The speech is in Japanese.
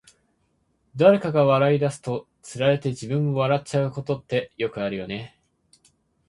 誰かが笑い出すと、つられて自分も笑っちゃうことってよくあるよね。